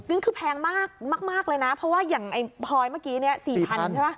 ซึ่งคือแพงมากเลยนะเพราะว่าอย่างไอ้พลอยเมื่อกี้เนี่ย๔๐๐ใช่ไหม